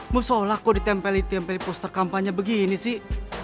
musya allah kok ditempeli tempeli poster kampanye begini sih